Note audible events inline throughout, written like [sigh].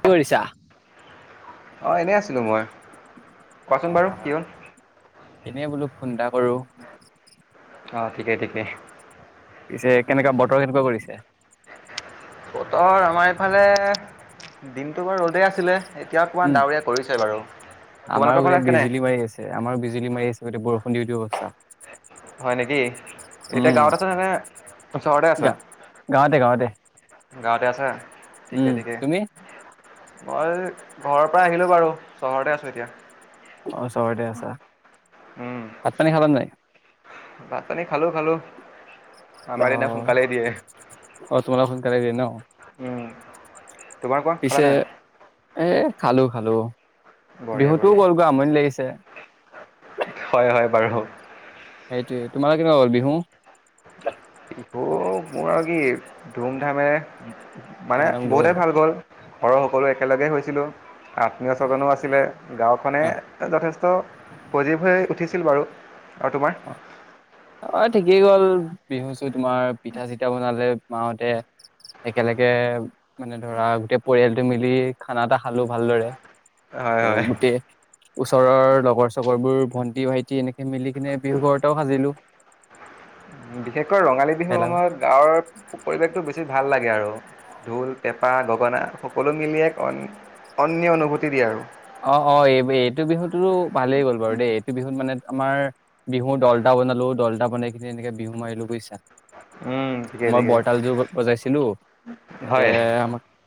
কি কৰিছা? অঁ এনেই আছিলো মই। কোৱাচোন অ', বাৰু কি অ', হ'ল এনে বোলো। ফোন্ত‍‌‌া কৰোঁ। অ' ঠিকেই ঠিকে। পিছে কেনেকুৱা বতৰ কেনেকুৱা কৰিছে? বতৰ আমাৰ এফালে দিনটো বাৰু ৰ'দেই আছিলে। এতিয়া অকণমান উম ডাৱৰীয়া কৰিছে বাৰু তোমালোকৰ আমাৰো এয়া ফালে কেনে বিজুলী মাৰি আছে। আমাৰো বিজুলী মাৰি আছে গতিকে বৰষুণ দিও দিও অৱছতা। হয় নেকি? এতিয়া গাঁৱত আছা নে নে চহৰতে আছা? গা গাঁৱতে গাঁৱতে। গাঁৱতে আছা? উ, ঠিকে ঠিকে তুমি? মই ঘৰৰপা আহিলো বাৰু, চহৰতে আছো এতিয়া। অ', চহৰতে আছা? ভাত পানী খালা নাই? ভাত-পানী খালো খালো। অ', তোমালোক সোনকালেই দিয়ে ন? উম তোমাৰ কোৱা খালা পিছে নে নাই? এ, খালো খালো। বঢ়িয়া বিহুতোও বঢ়িয়া গ'লগৈ আমনি লাগিছে। হয় হয় বাৰু। সেইটোয়ে, তোমালোক কেনেকুৱা হ'ল বিহু? বিহু মোৰ আৰু কি ধুম ধামেৰে। মানে বহুতে ভাল গ'ল। ঘৰৰ সকলো একেলগে হৈছিলো। আত্মীয় স্বজনো আছিলে। গাঁওখনে যথেষ্ট পজিভ হৈ উঠিছ আ ছিল বাৰু আৰু তোমাৰ অ অ ঠিকেই গ'ল বিহু চো তোমাৰ, পিঠা চিঠা বনালে, মাহতে একেলগে মানে, ধৰা গোটেই পৰিয়ালটো মিলি খানা এটা খালো ভালদৰে। হয় আকৌ হয় গোটেই ওচৰৰ লগৰ চগৰ বোৰ ভন্টি ভাইটি এনেকে মিলি কিনে বিহু ঘৰতেও সাজিলো বিশষ ৰঙালী বিহুৰ ভেলাঘৰ সময়ত গাঁৱৰ প পৰিৱেশটো বেছি ভাল লাগে আৰু ঢোল পে পা গগনা সকলো মিলিয়ে অন্য অনুভূতি দিয়ে আৰু অ অ এই এইটো বিহুতৰো পালেই গ'ল বাৰু দেই, এইটো বিহুত মানে আমাৰ বিহু দলদটা বনালো দলটা বনাই খিনি এনেকে বিহু মাৰিলো বুজিছা উম ঠিকে মই ঠিকে বৰতালযোৰ বজাইছিলো এনেকে হয়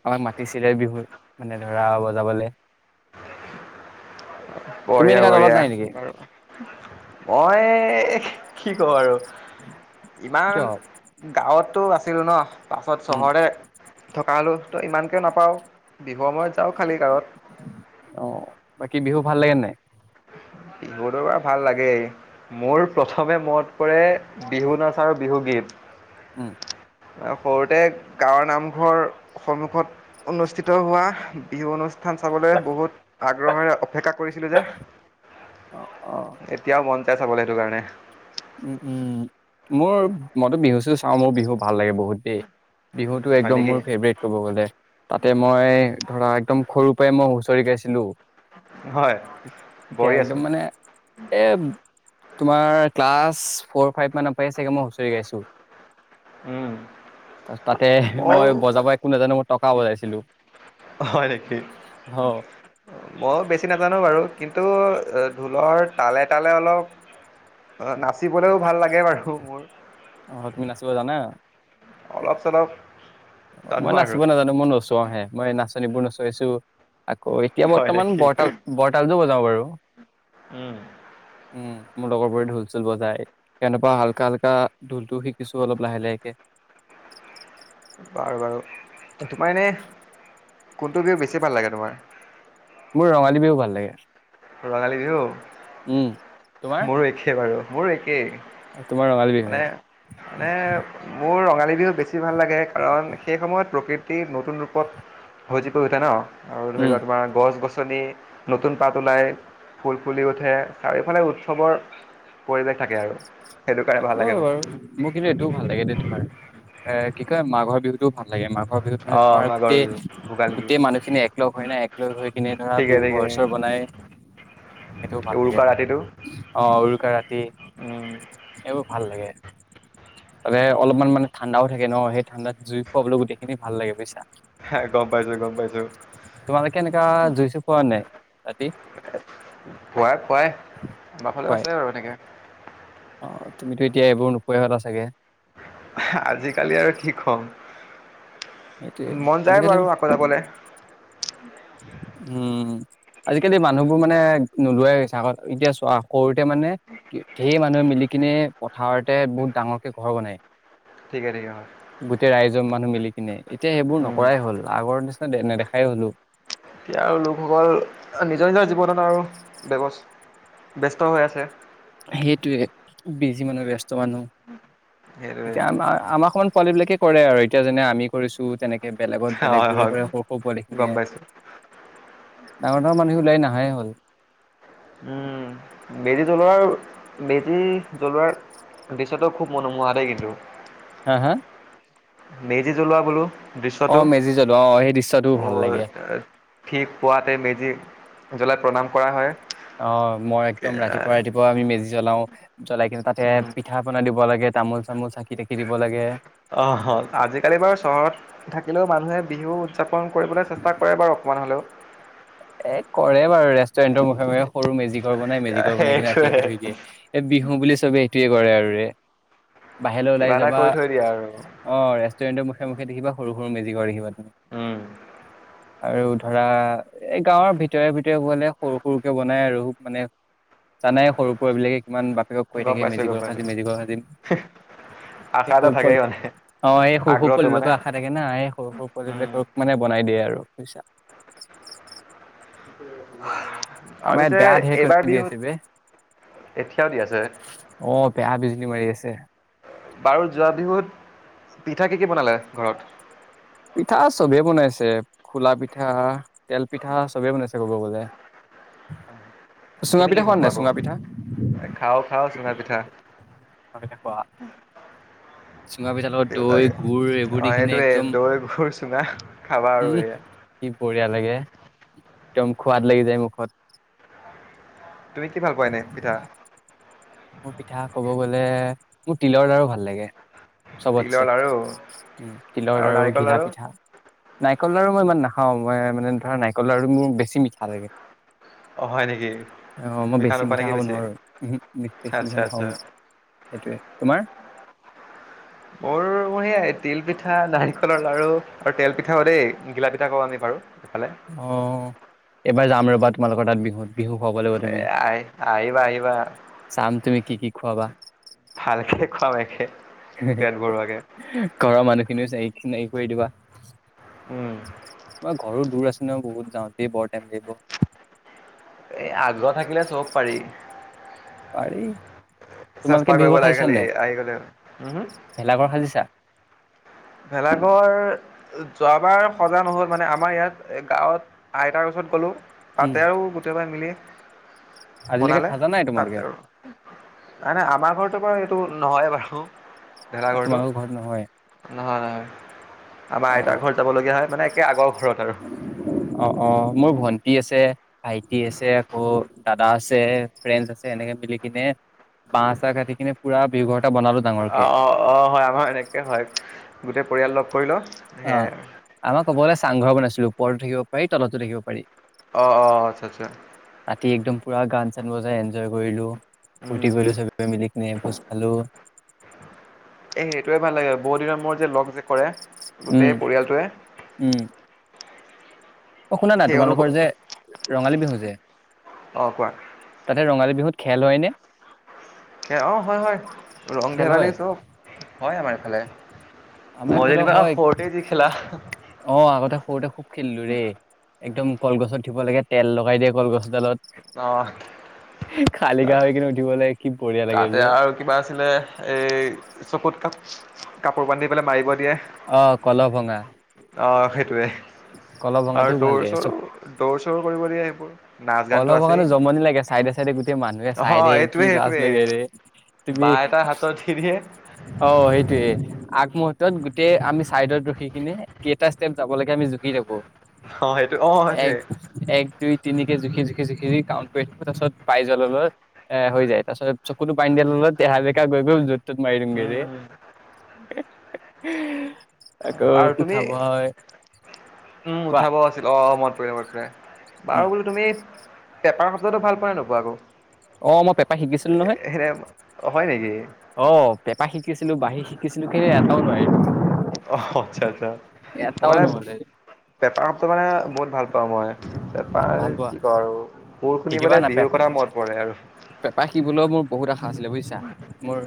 আমাকাক তিচিৰাই বিহু মানে ধৰা বজাবলৈ তুমি বঢ়িয়া, এনেকা দলত বঢ়িয়া, নাই নেকি বাৰু মই এক কি ক আৰু কিয় ইমান গাঁৱতো আছে চুলন পাছত উম চহৰে থকা হ'লো তো ইমানকে নাপাওঁ বিহুৰ সময়ত যাওঁ খালী অ গৱত বাকী বিহু ভাল লাগে নাই বিহু দবাৰ ভাল লাগেই মোৰ প্ৰথমে মত পৰে বিহু নাচ আৰু বিহুগীত উ সৰুতে গাঁৱৰ নামঘৰ সন্মুখত অনুষ্ঠিত হোৱা বিহু অনুষ্ঠিত থান চাবলৈ বহুত আগ্ৰহেৰে অপেক্ষা কৰিছিলোঁ যে অ অ এতিয়াও মন যায় চাবলৈ সেইটো কাৰণে উ উম মোৰ মইতো বিহু চ চাওঁ মোৰ বিহু ভাল লাগে বহুত দেই বিহুতটো হয় একদম নেকি মোৰ ফেভৰেট ক'ব গ'লে তাতে মই ধৰা একদম সৰুৰ পৰাই মই হুঁচৰি গাইছিলো হয় এতিয়া একদম বঢ়িয়াচোন মানে এ তোমাৰ ক্লাছ ফ'ৰ ফাইভ মানৰ পৰা চাগে মই হুঁচৰি গাইছোঁ উম, তাৰছ তাতে ময়ো মই বজাব একো নাজানো ম টকা বজাইছিলো। হয় নেকি মই বেছি নাজানো বাৰু কিন্তু ঢোলৰ তালে তালে অলপ অহ তুমি নাচিব জানা? অলপ চলপ অ জানো মই আৰু নাচিব নাজানো মই নোচোৱা হে মই নাচনিবোৰ নচাইছো অ এতিয়া হয় বৰ্তমান নেকি বটাল বটাল যাওঁ বাৰু। উম উম মোৰ লগৰবোৰে ঢোল চোল বজায় কেনেকুৱা হালকা হালকা ঢোলটোও শিকিছো অলপ লাহে লাহেকে। বাৰু বাৰু তোমাৰ এনে কোনটো বিহু বেছি ভাল লাগে তোমাৰ? মোৰ ৰঙালী বিহু ভাল লাগে। ৰঙালী বিহু? উম। তোমাৰ? মোৰো একেই বাৰু। মোৰ একেই। তোমাৰ ৰঙালী মানে বিহুৱে, মানে মোৰ ৰঙালী লী বিহু বেছি ভাল লাগে কাৰণ সেই সময়ত প্ৰকৃতি নতুন ৰূপত ভজি পৰি উঠে ন। আৰু ধৰি উম, লোৱা তোমাৰ গছ গছনি নতুন প তলাই ফুল ফুলি উঠে চাৰিফালে উৎসৱৰ পৰিৱেশ থাকে আৰু। সেইটো কাৰণে এইটো ভাল লাগে হয় মোৰ বাৰু মোৰ কিন্তু এইটোও ভাল লাগে দ তোমাৰ এ কি কয় মাঘৰ বিহুতটো ভাল াল লাগ মাঘৰ বিহুত মানে অ তোমাৰ মাঘৰ গোটেই বিহু ভোগালী বিহু গোটেই মানুহখিনি এক লগগ হৈ নাই এককলগ হৈ কিনে ধৰা ঠিকে বিহু ঠিকে ঘৰ চৰ বনাই সেইটোও ভাল লাগে, উৰুকা ৰাতিটো অ কৰা উম। ভাল লাগে ত অলপমান মানে ঠাণ্ডাও থাকে ন সেই ঠাণ্ডাত জুই খুৱাবলৈ গোটেই খিনি ভাল লাগে বুজিছা। গম পাইছো গম পাইছো তোমাল কেনেকা জুইছো পোৱা নাই? অতি পোৱা- কোৱাই বাফালে খুৱাই? আছে বাৰু এনেকৈ অ তুমিতো এতিয়া এইবোৰ নোপোৱাই হলা চাগে। আজিকালি আৰু কি কম এইটোয়ে মন যায় আজিকালি বাৰু আকৌ যাবলৈ উম আজিকালি মানুহবোৰ মানে নোলোৱাইছে আগত এতিয়া চোৱা সৰুতে মানে ঢেৰ মানুহে মিলি কিনে পথাৰতে বহুত ডাঙৰকে ঘৰ বনায়। ঠিকে ঠিকে হয় গোটেই ৰাইজৰ মান মিলি কিনে এতিয়া এইবোৰ উম। নকৰাই হ'ল আগৰ নি নেদেখাই হ'লো। এতিয়াৰ লোকসকল নিজৰ নিজৰ জীৱনত আৰু ব্যৱ ব্যস্ত হৈ আছে। সেইটোৱে বিজি মানুহ ব্যস্ত মানুহ। সেইটোৱে এতিয়া আমাৰ আমাৰ সমান [inaudible] বিলাকে কৰে আৰু এতিয়া যেনে আমি কৰিছো তেনেকে বেলেগত বেলেগ হয় বোৰে হয় কৰে সৰু সৰু গম পোৱালিখিনিয়ে পাইছোঁ ডাঙৰ ডাঙৰ মানুহ ওলাই নাহাই হ'ল। উম মেজী জ্বলোৱাৰ মেজী জ্বলোৱাৰ পিছতো খুব মনোমোহা দেই কিন্তু। হা হা। মেজি জলোৱা বোলো। অ দৃশ্যটো মেজি জ্বলোৱা আহ সেই দৃশ্যয়টোও ভাল লাগে। তাতে মেজি জ্বলাই প্ৰণাম কৰা হয়। অ মই একদম ৰাতিপুৱা ৰাতিপুৱা আমি মেজি জ্বলাও। জ্বলাই কিনে তাতে উম পিঠা পনা দিব লাগে। তামোল চামোল চাকি তাকি দিব লাগে। অহ আজিকালি বাৰু চহৰত থাকিলেও মানুহে বিহু উদযাপন কৰিবলৈ চেষ্টা কৰে বাৰু অকমান হলেও। এ কৰে বাৰু ৰেষ্টুৰেণ্টৰ মুখে মুখে সৰু মেজি ঘৰ বনাই মেজি ঘৰ বনাই কিনে ৰাখী ৰাখী সেইটোৱে থৈ দিয়ে এই বিহু বুলি চবেই এইটোৱে কৰে আৰুৰে। বাহিৰলৈ ওলাই কিবা এটা যাবা কৰি থৈ দিয়ে আৰু অ ৰেষ্টুৰেণ্টৰ মুখে মুখে দেখিবা সৰু সৰু মেজিৰ ঘৰ দেখিবা। উম। [inaudible] আৰু ধৰা এই গাঁৱৰ ভিতৰে ভিতৰে গলে সৰু সৰুকে বনাই আৰু মানে জানাই সৰু [unintelligible] বিলাকে ইমান বাপেকক কৈ গম থাকে পাইছোঁ গম মেজিঘৰ পাইছোঁ। সাজিম মেজিঘৰ সাজিম এই আশা এটা সৰু পল থাকেই মানে অ এই সৰু সৰু আগ্ৰহটো মানে পুলিবিলাকৰ আশা থাকে না এই সৰু সৰু উম, পোৱালিবিলকক মানে বনাই দিয়ে আৰু। উছা। [inaudible] ওহ আমাৰ ইয়াত বেয়া ধেৰেকণি দি আছে বে, এতিয়াও দি আছে [unintelligible] অ বেয়া বিজুলী মাৰি আছে। বাৰু যোৱা বিহুত পিঠা কি কি বনালে ঘৰত? পিঠা চবে বনাইছে খোলা পিঠা, তেল পিঠা চবে বনাইছে ক'ব গলে। চুঙা তুমি কি পিঠা খোৱা ভাল পোৱা নাই আকৌ চুঙা পিঠা? এ খাও খাও চুঙা পিঠা। হয় কোৱা। চুঙা পিঠা লগত দৈ দেউতাকে গুৰ এইবোৰ দি অ' কিনে এইটোৱে একদম দৈ, গুৰ, চুঙা খাবা আৰু উম এয়া। কি বঢ়িয়া লাগে। একদম খোৱাদ লাগি যায় মুখত। তুমি কি ভাল পোৱা এনে পিঠা। মোৰ পিঠা কব গ'লে মোৰ তিলৰ লাৰো ভাল লাগে। তিলৰ চবতছে লাৰু উম', আৰু তিলৰ-লাৰু, নাৰিকল ঘিলা- লাৰু? পিঠা। নাৰিকল -লাৰু মই, ইমান নাখাওঁ। মই মানে ধৰা নাৰিকল-লাৰু মোৰ বেছি মিঠা লাগে। অ' হয় নেকি? অহ ', মই বেছি নোখোৱা মিঠা নেকি খাব বেছি? নোৱাৰো। উমহু, ' মি, বেছি আচ্ছা মিঠা নাখাওঁ। আচ্ছা। এইটোৱে। তোমাৰ? মোৰ', -মোৰ সেয়াই তিল- পিঠা, নাৰিকলৰ লাৰু আৰু তেল -পিঠাও দেই, ঘিলা-পিঠা কও', আমি বাৰু, এইফালে অহ', এইবাৰ যাম ৰ'বা, তোমালোকৰ তাত বিহুত। বিহু খুৱাব লাগিব তুমি এ', আহি ', -আহিবা-আহিবা। চাম তুমি কি কি খোৱাাবা? একে সেনেকে পেট ভৰোৱাকে ঘৰৰ মানুহখিনিও চাই, চিনাকি কৰি দিবা। উম', তোমাৰ ঘৰো দূৰ আছে। এনেও বহুত যাওঁতে বৰ টাইম লাগিব। এই, আগ্ৰহ থাকিলে চব পাৰি। পাৰি', তোমালোকে চেষ্টা বিহু কৰিব ঘৰ লাগে খাইছা খালি নাই আহি গলেও। উম', হ, ভেলাঘৰ সাজিছা ভেলাঘৰ, যোৱাবাৰ সজা নহ'ল মানে, আমাৰ ইয়াত, গাঁৱত আইতাৰ ওচৰত গ'লো। উম তাতে আৰু গোটেইবাই মিলি, আজিলৈকে বনালে খাজা নাই, তাতে তোমালোকে? আৰু নাই- নাই আমাৰ ঘৰতো বাৰু এইটো নহয় বাৰু। অহ ', তোমালোকৰ ঘৰত নহয়। হয়। আমাৰ অ আইতাৰ ঘৰ যাবলগীয়া হয়। মানে একে আগৰ ঘৰত আৰু অ', - অ', মোৰ ভন, ন্তি আছে ভাইটি আছে আকৌ দাদা আছে ফ্ৰেণ্ডচ আছে এনেকে মিলি কিনে বাহহ চাহ কাটি কিনে পুৰা বি ঘৰত অ অ অ হয় আমাৰ এনেকে হয় গোটেই পৰিয়াল লগ কৰি ল। অ ', আমাক কবলে আছে, চাংঘৰ বনাইছিলো ওপৰতো থাকিব পাৰি তলতো থাকিব পাৰি। অহ', - অহ', - আচ্ছা', - আচ্ছা ', ৰাতি একদম পুৰা গান-চান বজাই এনজয় কৰিলো। ফূৰ্তি উম। কৰিলো চবে মিলিকেনে ভোজ খালো। এ সেইটোৱে ভাল লাগে বহুত দিনৰ মোৰত যে লগ যে কৰে। উম গোটেই পৰিয়ালটোৱে। উম অ শুনা না সেই অনুভৱ তোমালোকৰ যে ৰঙালী বিহু যে অঁ কোৱা তাতে ৰঙালী বিহুত খেল হয়নে? এ অ হয়-হয় ৰং খেল ধেমালি হয় চব। হয় আমাৰ এইফালে। আমাৰ মই এইফালে যেনিবা হয় সৰুতে যি খেলা। অ আগতে সৰুতে সোব খেললোৰে। একদম কলগছত উথিব লাগে, তেল লগাই দিয়ে কলগছ [unintelligible] লত অঁ খালিকা তাত হৈ কিনে উঠিবলৈাগ তাতে আৰু কিবা আছিলে, এই চকুত কাপ। কাপোৰ বান্ধি পেলাই মাৰিব- অ কল ভঙা [unintelligible] অ সেইটোৱে কল আৰু ভঙাটোও ভাল দৌৰ লাগে চৰ-দৌৰ চৰ কৰিব বেয়া সেইবোৰৰ কলত বগুৱাটো জমনি লাগে চাইডে চাইডে গোটেই মানুহে অহ চাই দেই কি এইটোৱে লাজ। সেইটোৱে লে তুমি বাঁহ এটা হাতত দি দিয়ে অ সেইটোৱে। আগমুহূৰ্তত গোটেই আমি চাইডত ৰখি কিনে কেইটা ষ্টেপ যাব লাগে আমি জুকি থাকো। অ সেইটো অ সেইটোয়ে। তিনি জুখি-জুখি-জুখি কাউণ্ট কৰিব তাৰ পাছত পাইজল অলৰ এ হৈ যায় তাৰ পাছত চকুটো বান্ধি দিয়া তেহা বেঁকা গৈ গৈ যত [unintelligible] উম উম বাৰু তুমি উম কোৱা উঠাব আছিল অ মনত পৰিলে মনত পৰে। উম বাৰু বোলো তুমি, পেপাৰ শব্দতো ভাল পোৱা নে নোপোৱা আকৌ, অ মই পেপা শিকিছিলো নহয় সেনে হয় নেকি? অ পেঁপা শিকিছিলো বাঁহী। কিছু লোকে এটাও নহয় অ আচ্ছা আচ্ছা এটাও নহলে। টো মানে বহুত ভাল পাওঁ মই। তাৰপৰা ভাল পোৱা কি কৰ আৰু সুৰ শুনি শিকিবা মানে না পে বিহুৰ কথা মনত পৰে আৰু। পেপা শিকিবলৈও মোৰ বহুত আশা আছিলে বুজিছা, মোৰ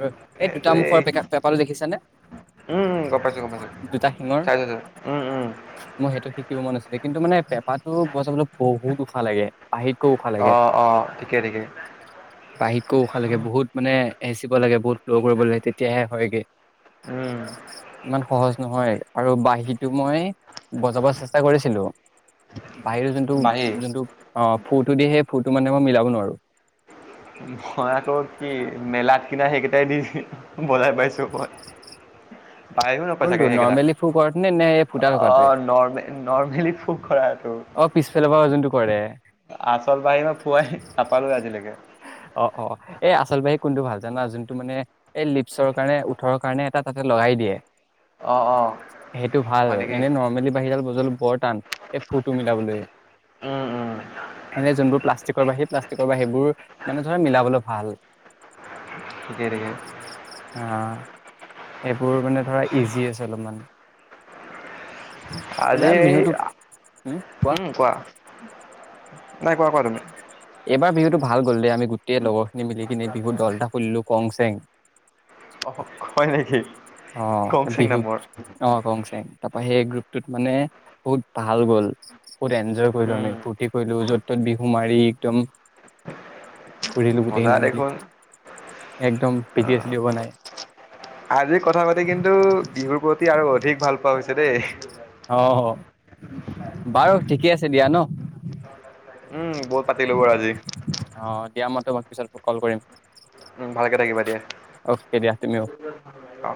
এই দুটা সেইটোৱেই মুখৰ পেকা পেঁপা টো দেখিছা নে উম গম পাইছোঁ গম পাইছোঁ দুটা শিঙৰ চাইছোঁ চাইছোঁ। উম উম মই সেইটো শিক মন আছিলে কিন্তু মানে পেপ তাতো বছাব বহুত ওখ ভাল লাগে পাহিত উখাহ লাগে অঁ অঁ ঠিকে ঠিকে বাঁহীতকৈ উখাহ লাগে বহুত মানে এচিব লাগে বহুত ফ্ল' কৰিব লাগে তেতিয়াহে হয়গে উম ইমান সহজ নহয় আৰু বাঁহীটো মই বজাব চেষ্টা কৰিছিলো বাহিৰৰ যোনটো বাঁহী যোনটো আহ সেই ফ্লোটো মানে মই মিলাব নোৱাৰো। মই আকৌ কি মেলাত কিনা সেইকেইটাই দি বজাই পাইছো মই। [unintelligible] কোনটো চাগে সেইকেইটাই নৰ্মেলি ফু কৰাটো নে নে এই ফুটা থকাটোৱে অ', ন-নৰ্মেলি ফোক কৰাটো। অ পিছফালৰ পৰা যোনটো কৰে আচল বাঁহী মই ফুৱাই নাপালো আজিলৈকে অ অ এই আচল বাঁহী কোনটো ভাল জানা যোনটো মানে এই লিপচৰ কাৰণে ওঠৰৰ কাৰণে এটা তাতে লগাই দিয়ে অঁ অঁ সেইটো ভাল হয় নেকি এনেই নৰ্মেলি বাঁহীডাল বজলো বৰ টান ফুটো মিলাবলৈ উম উম এনে যোনবোৰ প্লাষ্টিকৰ বাঁহী [unintelligible] সেইবোৰ মানে ধৰা মিলাবলৈ ভাল ঠিকেই ঠিকেই এই বোৰ মানে ধৰা ইজি আছে অলপমান। আজি এইবাৰ এই বিহুতো উম, কোৱা। নাই কোৱা, কোৱা তুমি। এইবাৰ বিহুটো ভাল গ'ল দে আমি গোটেই লগৰ খিনি মিলি কিনে বিহুৰ দল এটা খুলিলো কং চেং অ হয় নেকি অ কংচিং বিহুক নামৰ অ গং চেং তাৰপৰা সেই গ্ৰুপ মানে বহুত ভাল গ'ল বহুত এনজয় কৰিলো উম, আমি ফূৰ্তি কৰিলো য'ত ত'ত বিহু মাৰি একদম ফুৰিলো মজা গোটেইখিন মিলি দেখোন একদম পিটি এ চ দি বনাই আজিৰ কথা পাতি কিন্তু বিহুৰ প্ৰতি আৰু অধিক ভাল পোৱা হৈছে দেই অ বাৰু ঠিকে আছে দিয়া ন উ বত পাতিলো বাৰু আজি অ দিয়া মই তোমাক পিছত কল কৰিম উম ভালকে থাকিবা দিয়া অ'কে দিয়া তুমিও অ